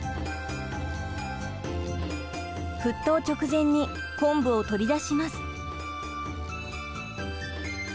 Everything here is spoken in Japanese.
沸とう直前に昆布を取り出します。